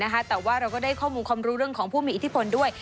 แต่ว่าเราก็ได้ข้อมูลความรู้เรื่องของผู้มีอิทธิพลด้วย